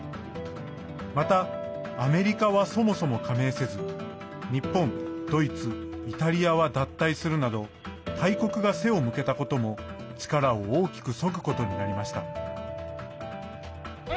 また、アメリカはそもそも加盟せず日本、ドイツ、イタリアは脱退するなど大国が背を向けたことも力を大きくそぐことになりました。